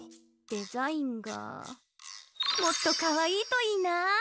デザインがもっとかわいいといいなあ。